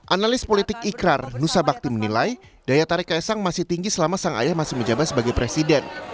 analis politik ikrar nusa bakti menilai daya tarik kaisang masih tinggi selama sang ayah masih menjabat sebagai presiden